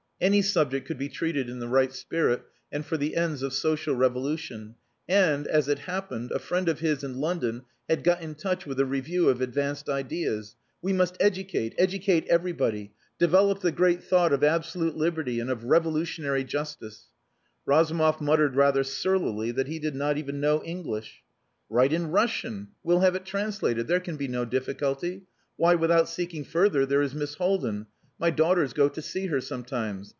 Any subject could be treated in the right spirit, and for the ends of social revolution. And, as it happened, a friend of his in London had got in touch with a review of advanced ideas. "We must educate, educate everybody develop the great thought of absolute liberty and of revolutionary justice." Razumov muttered rather surlily that he did not even know English. "Write in Russian. We'll have it translated There can be no difficulty. Why, without seeking further, there is Miss Haldin. My daughters go to see her sometimes."